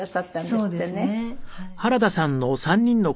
そうですねはい。